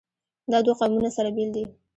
دا دوه قومونه سره بېل دي.